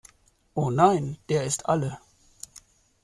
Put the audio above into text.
Oh nein, der ist alle!